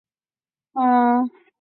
莫内蒂耶阿莱蒙人口变化图示